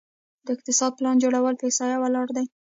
د اقتصاد پلان جوړول په احصایه ولاړ دي؟